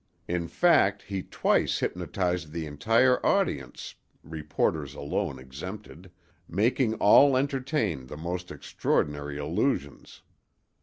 In fact, he twice hypnotized the entire audience (reporters alone exempted), making all entertain the most extraordinary illusions.